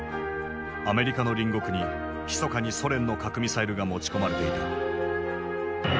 アメリカの隣国にひそかにソ連の核ミサイルが持ち込まれていた。